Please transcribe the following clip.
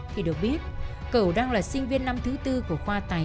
thì được biết cầu đang là sinh viên năm thứ tư của khoa tài